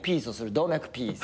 「動脈ピース！」